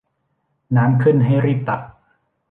น้ำขึ้นให้รีบตัก